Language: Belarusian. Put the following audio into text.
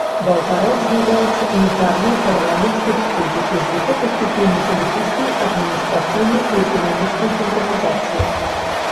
Балгарыя з'яўляецца унітарнай парламенцкай рэспублікай з высокай ступенню палітычнай, адміністрацыйнай і эканамічнай цэнтралізацыі.